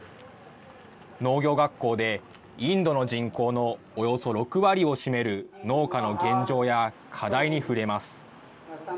農業学校でインドの人口のおよそ６割を占める農家の現状や課題に触れます。